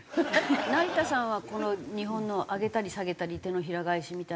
成田さんはこの日本の上げたり下げたり手のひら返しみたいな状況